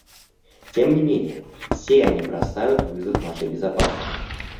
Тем не менее, все они бросают вызов нашей безопасности.